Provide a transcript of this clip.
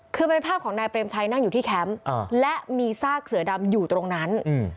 คือเป็นภาพของนายเปรมชัยนั่งอยู่ที่แคมป์และมีซากเสือดำอยู่ตรงนั้น